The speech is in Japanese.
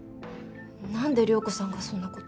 何で涼子さんがそんなこと。